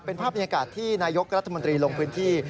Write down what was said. เป็นภาพบรรยากาศที่นายกรัฐมนตรีลงพื้นที่